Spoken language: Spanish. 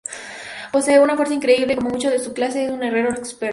Posee una fuerza increíble, y como muchos de su clase, es un herrero experto.